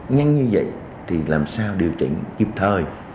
nhanh như vậy thì làm sao điều chỉnh kịp thời